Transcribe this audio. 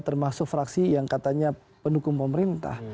termasuk fraksi yang katanya pendukung pemerintah